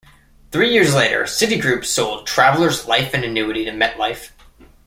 Three years later, Citigroup sold Travelers Life and Annuity to MetLife.